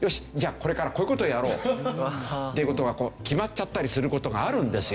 これからこういう事をやろうっていう事が決まっちゃったりする事があるんですよ